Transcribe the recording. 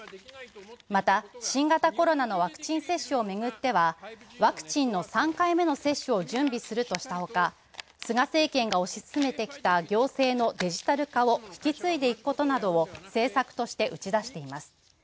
また、新型コロナのワクチン接種をめぐってはワクチンの３回目接種を準備するとしたほか、菅政権が推し進めてきた行政のデジタル化を引き継いでいくことなどを政策として打ち出しています。